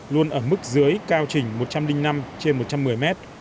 luôn ở mức dưới cao trình một trăm linh năm trên một trăm một mươi mét